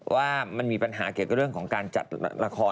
ว่ามันมีปัญหาเกี่ยวกับเรื่องของการจัดละคร